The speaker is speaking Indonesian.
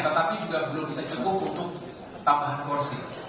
tetapi juga belum bisa cukup untuk tambahan porsi